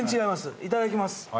いただきます。